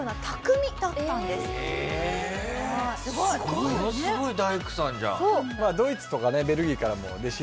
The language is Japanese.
ものすごい大工さんじゃん。